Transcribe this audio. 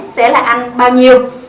sẽ là ăn bao nhiêu